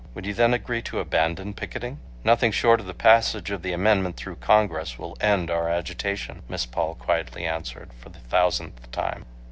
Would you then agree to abandon picketing?" "Nothing short of the passage of the amendment through Congress will end our agitation," Miss Paul quietly answered for the thousandth time.